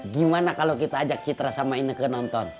gimana kalau kita ajak citra sama inak ke nonton